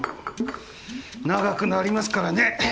長くなりますからね。